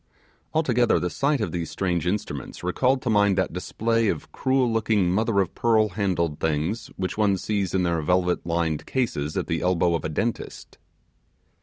Altogether the sight of these strange instruments recalled to mind that display of cruel looking mother of pearl handled things which one sees in their velvet lined cases at the elbow of a dentist.